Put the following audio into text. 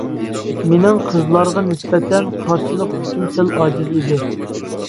مىنىڭ قىزلارغا نىسبەتەن قارشىلىق كۈچۈم سەل ئاجىز ئىدى.